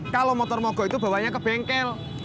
kalau motor mogok itu bawanya ke bengkel